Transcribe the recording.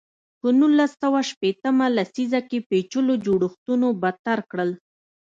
په نولس سوه شپېته مه لسیزه کې پېچلو جوړښتونو بدتر کړل.